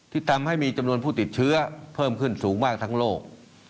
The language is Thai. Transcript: ที่ทำให้มีจำนวนผู้ติดเชื้อเพิ่มขึ้นสูงมากทั้งโลก